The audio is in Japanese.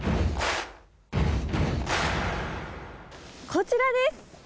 こちらです！